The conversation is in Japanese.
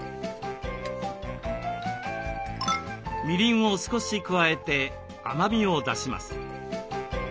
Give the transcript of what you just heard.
みりんを少し加えて甘みを出します。